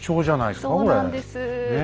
そうなんです。